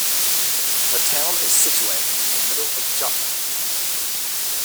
The town is situated in the middle of Jutland.